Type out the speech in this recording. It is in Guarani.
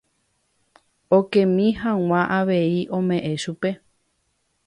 Okemi hag̃ua avei ome'ẽ chupe.